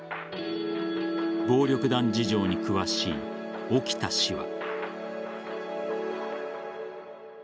暴力団事情に詳しい沖田氏は。